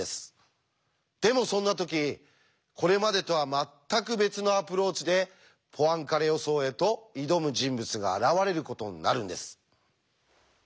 でもそんな時これまでとは全く別のアプローチでポアンカレ予想へと挑む人物が現れることになるんです。